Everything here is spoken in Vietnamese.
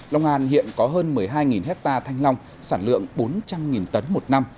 long an hiện có hơn một mươi hai hectare thanh long sản lượng bốn trăm linh tấn một năm